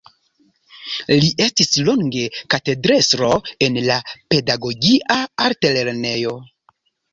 Li estis longe katedrestro en la Pedagogia Altlernejo.